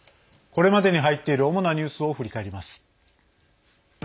これまでに入っている主なニュースを振り返ります。